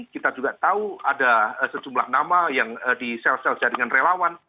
kita juga tahu ada sejumlah nama yang di sel sel jaringan relawan